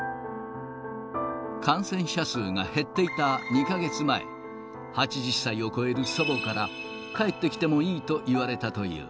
感染者数が減っていた２か月前、８０歳を超える祖母から、帰ってきてもいいと言われたという。